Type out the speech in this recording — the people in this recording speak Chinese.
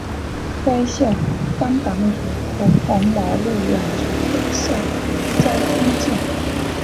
该校甘榜汝和红毛路两处校舍遭封禁。